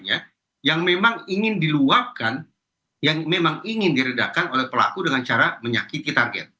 dan motif lainnya yang memang ingin diluapkan yang memang ingin diredakan oleh pelaku dengan cara menyakiti target